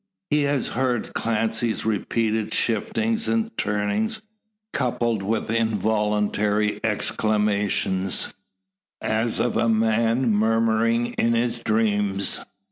He has heard Clancy's repeated shiftings and turnings, coupled with involuntary exclamations, as of a man murmuring in his dreams.